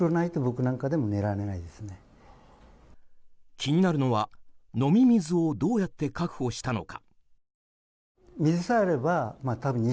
気になるのは飲み水をどうやって確保したのか。